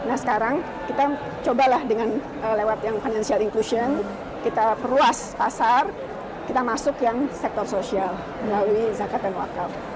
nah sekarang kita cobalah dengan lewat yang financial inclusion kita perluas pasar kita masuk yang sektor sosial melalui zakat dan wakaf